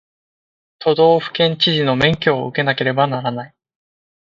都道府県知事の免許を受けなければならない